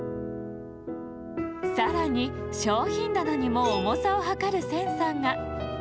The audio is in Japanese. さらに商品だなにもおもさをはかるセンサーが。